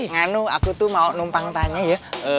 nganu aku tuh mau numpang tanya ya